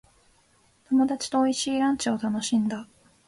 友達と美味しいランチを楽しんだ。